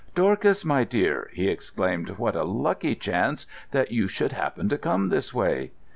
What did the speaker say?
"Dorcas, my dear!" he exclaimed. "What a lucky chance that you should happen to come this way!"